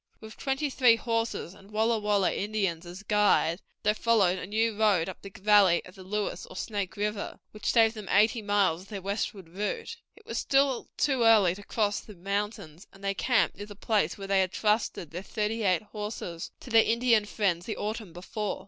With twenty three horses, and Walla Walla Indians as guides, they followed a new road up the valley of the Lewis or Snake River, which saved them eighty miles of their westward route. It was still too early to cross the mountains, and they camped near the place where they had trusted their thirty eight horses to their Indian friends the autumn before.